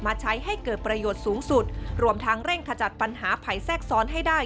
ใช้ให้เกิดประโยชน์สูงสุดรวมทั้งเร่งขจัดปัญหาภัยแทรกซ้อนให้ได้